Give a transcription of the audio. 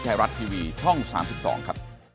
ครับสวัสดีครับ